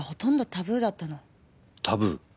タブー？